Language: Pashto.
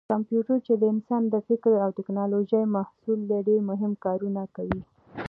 کمپیوټر چې د انسان د فکر او ټېکنالوجۍ محصول دی ډېر مهم کارونه کوي.